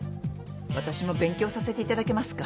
私も勉強させていただけますか？